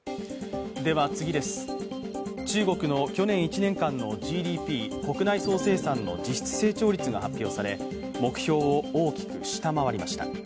中国の去年１年間のＧＤＰ＝国内総生産の実質成長率が発表され、目標を大きく下回りました。